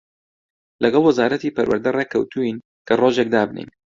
لەگەڵ وەزارەتی پەروەردە ڕێک کەوتووین کە ڕۆژێک دابنێین